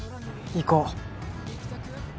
行こう。